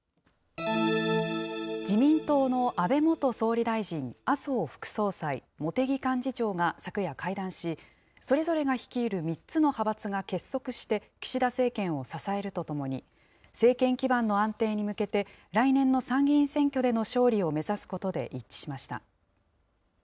自民党の安倍元総理大臣、麻生副総裁、茂木幹事長が昨夜会談し、それぞれが率いる３つの派閥が結束して、岸田政権を支えるとともに、政権基盤の安定に向けて、来年の参議院選挙での勝利を目指すことで一致しました。